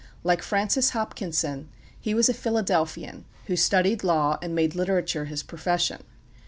Like Francis Hopkinson, he was a Philadelphian, who studied law and made literature his profession.